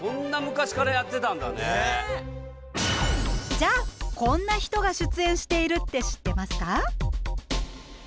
じゃあこんな人が出演しているって知ってますか？